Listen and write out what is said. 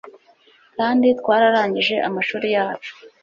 Kandi twararangije amashuri yacu